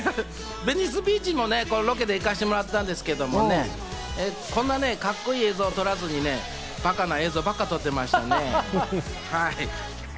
ベニスビーチにもロケで行かせてもらったんですが、こんなカッコ良い映像は撮らずに、バカな映像ばかり撮ってましたね。